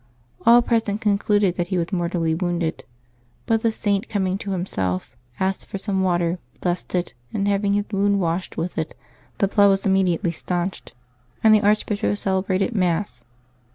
All present concluded that he was mortally wounded; but the Saint coming to himself, asked for some water, blessed it, and having his wound washed with it, the blood was im mediately stanched, and the archbishop celebrated Mass.